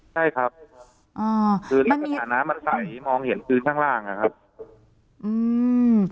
ใช่ครับอ่ามันมีมันใส่มองเห็นคืนข้างล่างอะครับอืม